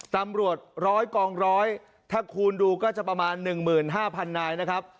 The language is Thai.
ร้อยกองร้อยถ้าคูณดูก็จะประมาณ๑๕๐๐นายนะครับ